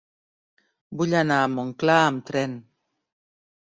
Vull anar a Montclar amb tren.